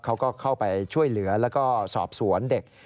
เขาก็เข้าไปช่วยเหลือแล้วก็สอบสวนเด็ก